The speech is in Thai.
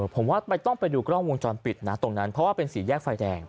ผมว่าต้องไปดูกล้องวงจรปิดนะตรงนั้นเพราะว่าเป็นสี่แยกไฟแดง